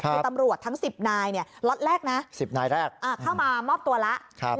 คือตำรวจทั้ง๑๐นายฬอดแรกเข้ามามอบตัวแล้ว